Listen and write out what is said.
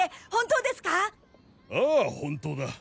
ああ本当だ。